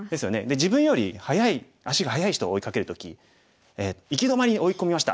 自分より速い足が速い人を追いかける時行き止まりに追い込みました。